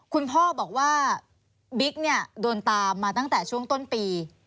คุณพ่อบอกว่าบิ๊กเนี่ยโดนตามมาตั้งแต่ช่วงต้นปี